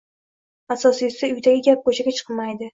Asosiysi, uydagi gap ko`chaga chiqmaydi